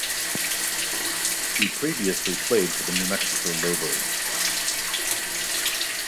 He previously played for the New Mexico Lobos.